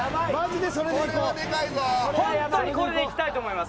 本当にこれでいきたいと思います。